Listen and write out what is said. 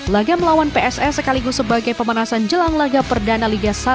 laga melawan pss sekaligus sebagai pemanasan jelang laga perdana liga satu